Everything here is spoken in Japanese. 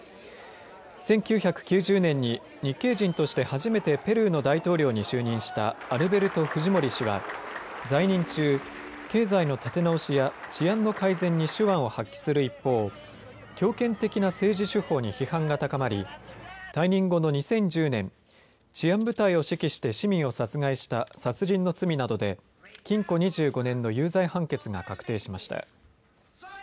１９９０年に日系人として初めてペルーの大統領に就任したアルベルト・フジモリ氏は在任中、経済の立て直しや治安の改善に手腕を発揮する一方、強権的な政治手法に批判が高まり退任後の２０１０年、治安部隊を指揮して市民を殺害した殺人の罪などで禁錮２５年の有罪判決が確定しました。